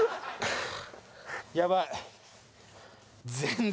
やばい。